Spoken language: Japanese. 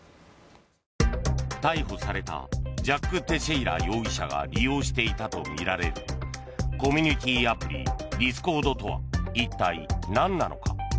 逮捕されたジャック・テシェイラ容疑者が利用していたとみられるコミュニティーアプリディスコードとは一体何なのか。